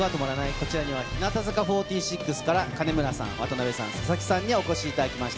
こちらには日向坂４６から、金村さん、渡邉さん、佐々木さんにお越しいただきました。